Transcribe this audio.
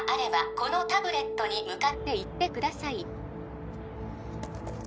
このタブレットに向かって言ってください